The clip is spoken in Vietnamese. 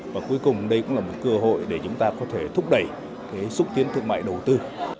và cuối cùng đây cũng là một cơ hội để chúng ta có thể thúc đẩy xúc tiến thương mại đầu tư